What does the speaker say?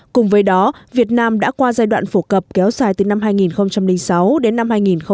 cùng với đó việt nam đã qua giai đoạn phổ cập kéo dài từ năm hai nghìn sáu đến năm hai nghìn một mươi